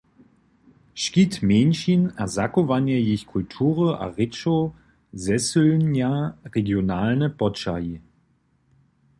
Škit mjeńšin a zachowanje jich kultury a rěčow zesylnja regionalne poćahi.